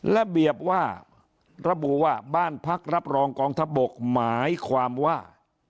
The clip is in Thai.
ระเบียบว่าระบุว่าบ้านพักรับรองกองทัพบกหมายความว่า